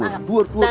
buat buat buat